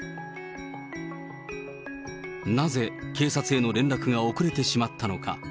なぜ警察への連絡が遅れてしまったのか。